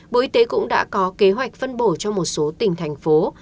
bộ y tế cũng đã có kế hoạch phân bổ cho một số tỉnh thành phố